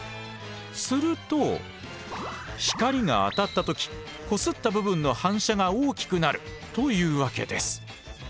すると光が当たった時こすった部分の反射が大きくなるというわけです。